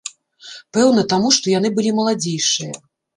Пэўна, таму, што яны былі маладзейшыя.